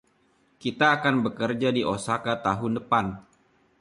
Kita akan bekerja di Osaka tahun depan.